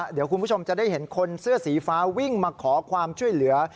เดี๋ยวคุณผู้ชมจะได้เห็นคนเสื้อสีฟ้าวิ่งมาขอความช่วยเหลือ